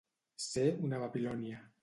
Ser una Babilònia.